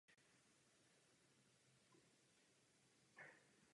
Vzhledem k tomu jejich manželství nikdy nebylo naplněno a pár tak zůstal bezdětný.